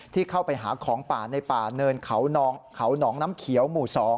ที่เข้าไปหาของป่าในป่าเนินเขาหนองน้ำเขียวหมู่๒